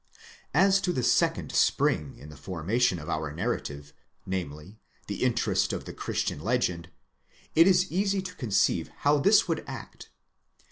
As to the second spring in the formation of our narrative, namely, the interest of the Christian legend, it is easy to conceive how this would act.